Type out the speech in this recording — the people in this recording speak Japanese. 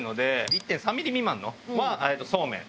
１．３ミリ未満はそうめん。